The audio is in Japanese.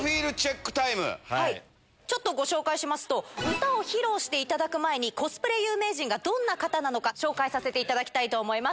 ちょっとご紹介しますと、歌を披露していただく前に、コスプレ有名人がどんな方なのか、紹介させていただきたいと思います。